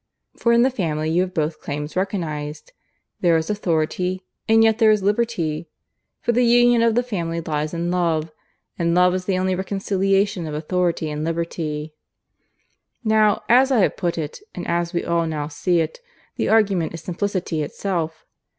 For in the Family you have both claims recognized: there is authority and yet there is liberty. For the union of the Family lies in Love; and Love is the only reconciliation of authority and liberty. "Now, as I have put it and as we all now see it the argument is simplicity itself.